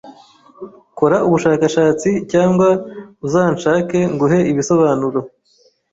Kora ubushakashatsi cyangwa uzanshake nguhe ibisobanuro